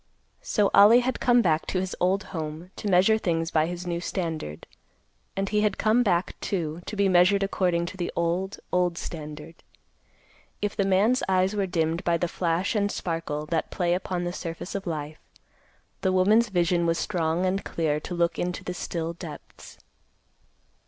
So Ollie had come back to his old home to measure things by his new standard; and he had come back, too, to be measured according to the old, old standard. If the man's eyes were dimmed by the flash and sparkle that play upon the surface of life, the woman's vision was strong and clear to look into the still depths.